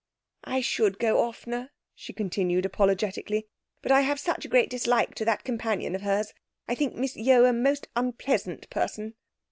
'I should go oftener,' she continued apologetically, 'but I have such a great dislike to that companion of hers. I think Miss Yeo a most unpleasant person.'